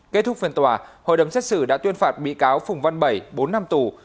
kết thúc phiên tòa hội đồng xét xử đã tuyên phạt bị cáo phùng văn bảy bốn năm tù